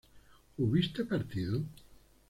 ¿hubiste partido?